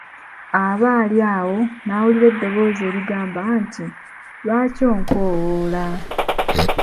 Aba ali awo, n'awulira eddoboozi erigamba nti, lwaki onkowoola?